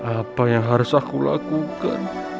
apa yang harus aku lakukan